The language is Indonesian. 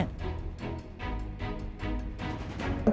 kandungan zat kimia yang sudah kadeluarsa